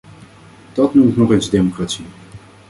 Dat noem ik nog eens democratie!